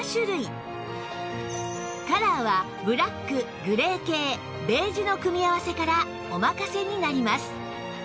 カラーはブラックグレー系ベージュの組み合わせからお任せになります